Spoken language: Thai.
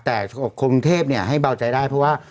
แต๋อคมรุนเทพที่ให้เบ้าใจด้ายเพราะว่า